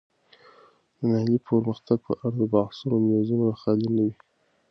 د محلي پرمختګ په اړه د بحثونو میزونه خالي نه وي.